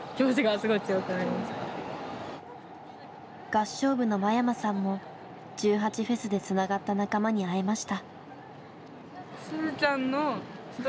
合唱部の間山さんも１８祭でつながった仲間に会えました。